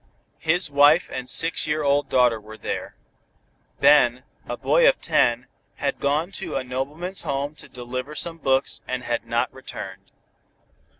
His wife and six year old daughter were there. Ben, a boy of ten, had gone to a nobleman's home to deliver some books, and had not returned.